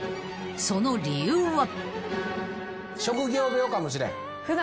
［その理由は？］